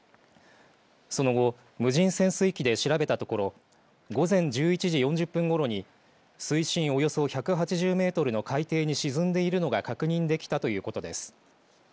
その後無人潜水機で調べたところ午前１１時４０分ごろに水深およそ１８０ｍの海底に沈んでいるのが確認できたということです。